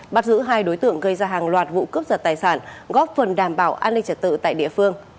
bắt giữ hai đối tượng gây ra hàng loạt vụ cướp giật tài sản góp phần đảm bảo an ninh trật tự tại địa phương